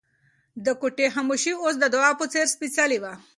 د کوټې خاموشي اوس د دعا په څېر سپېڅلې وه.